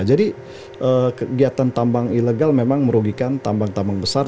jadi kegiatan tambang ilegal memang merugikan tambang tambang besar